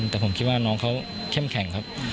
แต่ผมคิดว่าน้องเขาเข้มแข็งครับ